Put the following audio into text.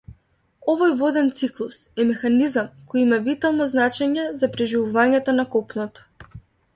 Овој воден циклус е механизам кој има витално значење за преживувањето на копното.